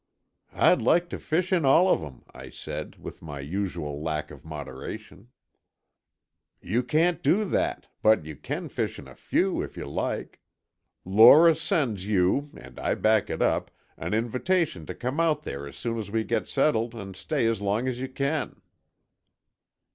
"I'd like to fish in all of 'em," I said, with my usual lack of moderation. "You can't do that, but you can fish in a few, if you like. Lora sends you, and I back it up, an invitation to come out there as soon as we get settled and stay as long as you can."